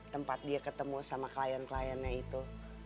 tempat dia ketemu sama klien kliennya itu